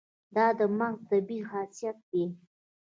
دا د مغز طبیعي خاصیت دی.